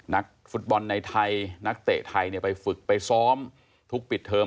นักฟุตบอลในไทยนักเตะไทยไปฝึกไปซ้อมทุกปิดเทอม